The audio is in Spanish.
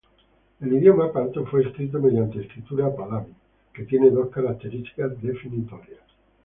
El idioma parto fue escrito mediante escritura pahlavi, que tiene dos características definitorias.